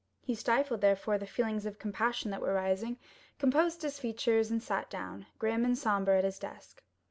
He stifled, therefore, the feelings of compassion that were rising, composed his features, and sat down, grim and sombre, at his desk.